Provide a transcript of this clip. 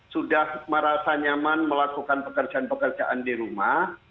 sudah merasa nyaman melakukan pekerjaan pekerjaan di rumah